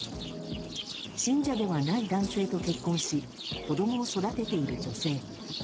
信者ではない男性と結婚し子供を育てている女性。